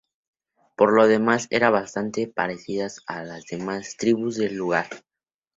Por lo demás eran bastante parecidas a las demás tribus del lugar.